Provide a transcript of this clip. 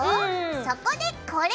そこでこれ！